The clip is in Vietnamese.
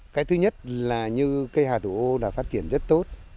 cái thứ nhất là như cây hà thủ ô đã phát triển rất tốt